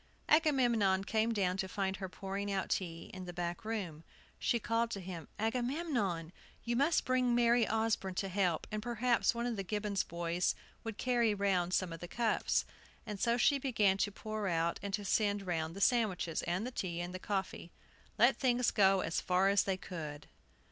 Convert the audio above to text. Agamemnon came down to find her pouring out tea, in the back room. She called to him: "Agamemnon, you must bring Mary Osborne to help, and perhaps one of the Gibbons boys would carry round some of the cups." And so she began to pour out and to send round the sandwiches, and the tea, and the coffee. Let things go as far as they would!